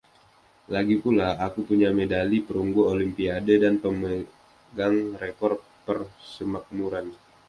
Lagipula, aku punya medali perunggu Olimpiade dan memegang rekor Persemakmuran.